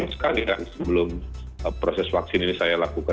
sekali kan sebelum proses vaksin ini saya lakukan